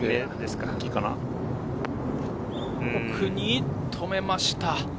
奥に止めました。